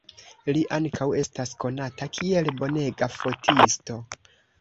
Li ankaŭ estas konata kiel bonega fotisto.